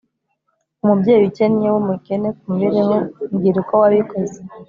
umubyeyi ukennye wumukene kumibereho, mbwira uko wabikoze